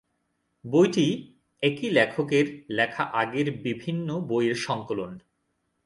বইটি একই লেখকের লেখা আগের বিভিন্ন বইয়ের সংকলন।